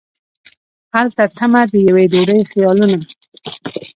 هلته تمه د یوې ډوډۍ خیالونه